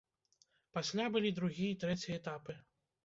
Пасля былі другі і трэці этапы.